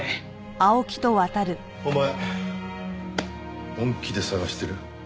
お前本気で捜してる？